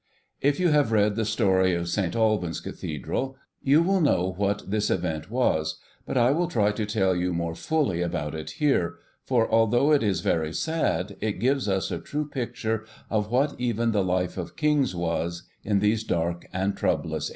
If you have read the story of St. Albans Cathedral, you will know what this event was; but I will try to tell you more fully about it here, for although it is very sad, it gives us a true picture of what even the life of Kings was, in these dark and troublous ages.